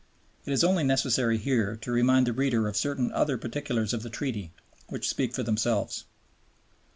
It is only necessary here to remind the reader of certain other particulars of the Treaty which speak for themselves: 1.